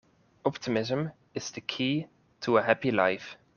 Optimism is the key to a happy life.